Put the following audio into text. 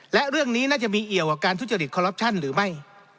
และเรื่องนี้น่าจะมีเอี่ยวกับการทุจริตคอลลอปชั่นหรือไม่